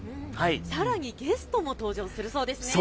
さらにゲストも登場するそうですね。